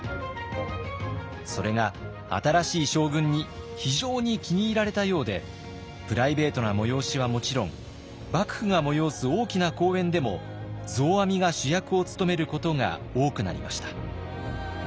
それが新しい将軍に非常に気に入られたようでプライベートな催しはもちろん幕府が催す大きな公演でも増阿弥が主役を務めることが多くなりました。